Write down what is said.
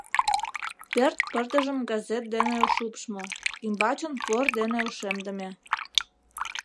Пӧрт пырдыжым газет дене шупшмо, ӱмбачын пор дене ошемдыме.